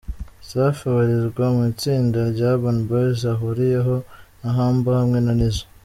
Safi abarizwa mu itsinda rya Urban Boyz ahuriyeho na Humble hamwe na Nizzo.